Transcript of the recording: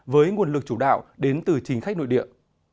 với nguồn lực chủ đạo đến từ chính khách nội địa